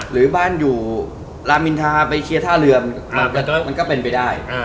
หรือบ้านอยู่รามอินทาไปเคลียร์ท่าเรือมันก็เป็นไปได้